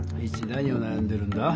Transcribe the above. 何をなやんでるんだ？